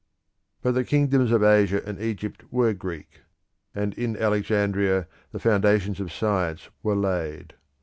But the kingdoms of Asia and Egypt were Greek, and in Alexandria the foundations of science were laid.